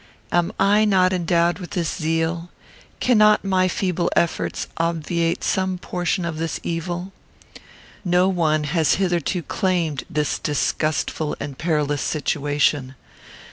Am I not endowed with this zeal? Cannot my feeble efforts obviate some portion of this evil? No one has hitherto claimed this disgustful and perilous situation.